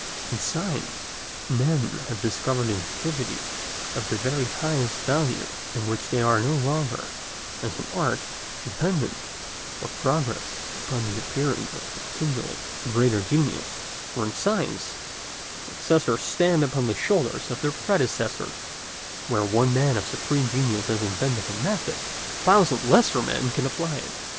In science men have discovered an activity of the very highest value in which they are no longer, as in art, dependent for progress upon the appearance of continually greater genius, for in science the successors stand upon the shoulders of their predecessors; where one man of supreme genius has invented a method, a thousand lesser men can apply it.